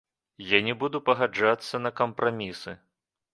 Я не буду пагаджацца на кампрамісы.